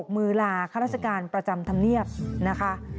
มือลาข้าราชการประจำธรรมเนียบนะคะ